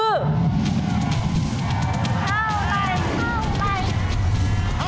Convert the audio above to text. เท่าไหร่